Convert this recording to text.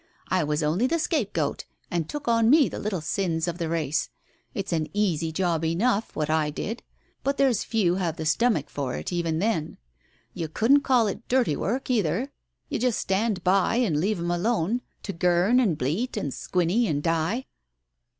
I was only the 'scapegoat, and took on me the little sins of the race. It's an easy job enough, what I did, but there's few have the stomach for it, even then. You couldn't call it dirty work either. You just stand by and leave 'em alone — to girn and bleat and squinny and die."